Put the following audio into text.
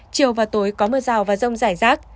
chiều và tối có mưa rào và rông rải rác